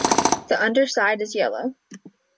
The underside is yellow.